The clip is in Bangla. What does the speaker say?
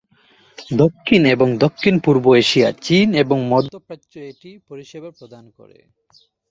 দক্ষিণ এবং দক্ষিণ-পূর্ব এশিয়া, চীন এবং মধ্য প্রাচ্যে এটি পরিষেবা প্রদান করে।